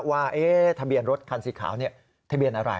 ว่าทะเบียนรถคันสีขาวทะเบียนอะไร